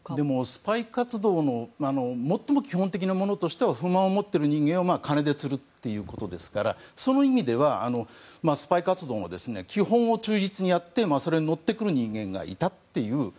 スパイ活動の最も基本的なものとしては不満を持っている人間を金で釣るということですからその意味ではスパイ活動の基本を忠実にやってそれに乗ってくる人間がいたという。